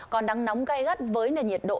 còn nắng nóng gây gắt với nền nhiệt độ